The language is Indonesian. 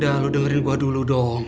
ya lu dengerin gue dulu dong